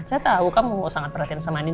saya tahu kamu sangat perhatian sama nih